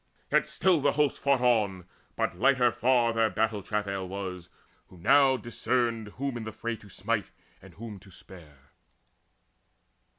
Yet still the hosts fought on; but lighter far Their battle travail was, who now discerned Whom in the fray to smite, and whom to spare.